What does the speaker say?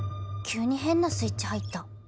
急に変なスイッチ入った